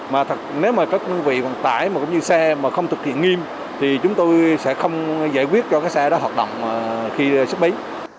mà nếu mà các nhân vị còn tải cũng như xe mà không thực hiện nghiêm thì chúng tôi sẽ không giải quyết cho cái xe đó hoạt động khi sức bấy